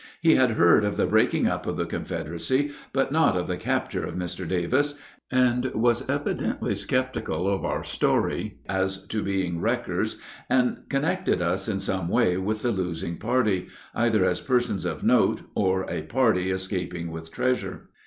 He had heard of the breaking up of the Confederacy, but not of the capture of Mr. Davis, and was evidently skeptical of our story as to being wreckers, and connected us in some way with the losing party, either as persons of note or a party escaping with treasure.